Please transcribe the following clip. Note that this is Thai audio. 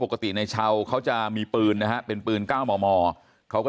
ปกติในชาวเขาจะมีปืนนะเป็นปืนก้าวหม่อเขาก็